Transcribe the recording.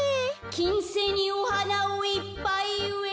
「きんせいにおはなをいっぱいうえるんだあ